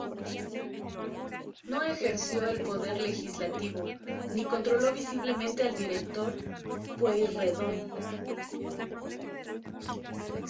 No ejerció el Poder Legislativo, ni controló visiblemente al Director Pueyrredón.